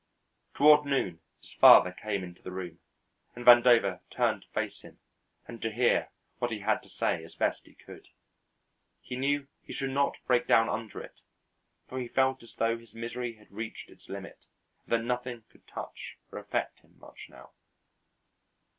Toward noon his father came into the room, and Vandover turned to face him and to hear what he had to say as best he could. He knew he should not break down under it, for he felt as though his misery had reached its limit, and that nothing could touch or affect him much now.